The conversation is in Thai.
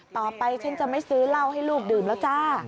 ต่อไปฉันจะไม่ซื้อเหล้าให้ลูกดื่มแล้วจ้า